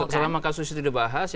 selama kasus itu dibahas